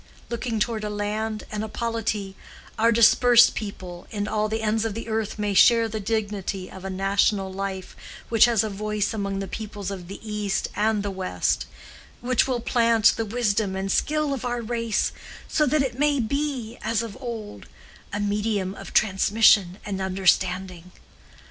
Looking toward a land and a polity, our dispersed people in all the ends of the earth may share the dignity of a national life which has a voice among the peoples of the East and the West—which will plant the wisdom and skill of our race so that it may be, as of old, a medium of transmission and understanding.